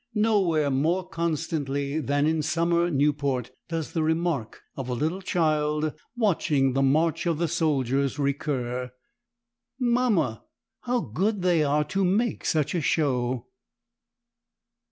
Nowhere more constantly than in the summer Newport does the remark of the little child watching the march of the soldiers recur "Mamma, how good they are to make such a show!"